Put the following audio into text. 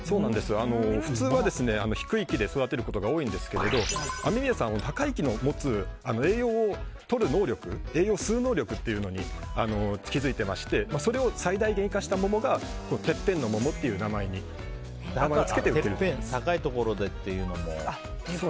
普通は低い木で育てることが多いんですけど雨宮さんは高い木の持つ栄養を吸う能力というのに気づいていましてそれを最大に生かした桃がてっぺんの桃っていうてっぺん高いところでっていうのも。